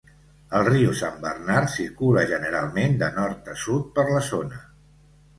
El riu San Bernard circula generalment de nord a sud per la zona.